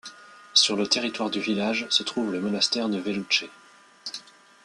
Sur le territoire du village se trouve le monastère de Veluće.